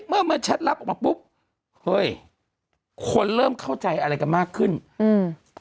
เมื่อเมื่อแชทลับออกมาปุ๊บเฮ้ยคนเริ่มเข้าใจอะไรกันมากขึ้นอืม